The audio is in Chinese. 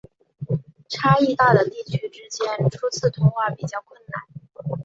差异大的地区之间初次通话比较困难。